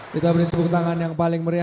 kita beri tepuk tangan yang paling meriah